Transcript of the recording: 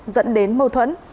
dẫn đến mâu thuẫn